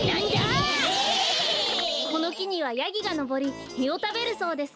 このきにはヤギがのぼりみをたべるそうです。